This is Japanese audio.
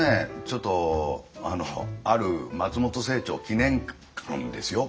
ちょっとある松本清張記念館ですよ。